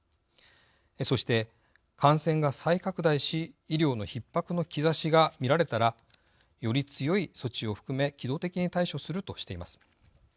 そして感染が再拡大し医療のひっ迫の兆しが見られたらより強い措置を含め機動的に対処するとしています。